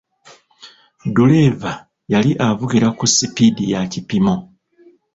Duleeva yali avugira ku sipiidi ya kipimo.